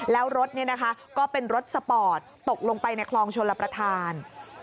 แล้วรถก็เป็นรถสปอร์ตตกลงไปในคลองชลประธาน